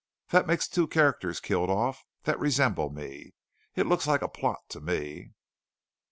That makes two characters killed off that resemble me. It looks like a plot, to me."